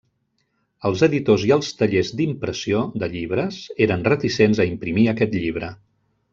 Els editors i els tallers d'impressió de llibres eren reticents a imprimir aquest llibre.